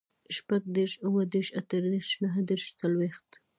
شپوږدېرش, اوهدېرش, اتهدېرش, نهدېرش, څلوېښت